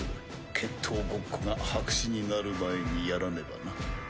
決闘ごっこが白紙になる前にやらねばな。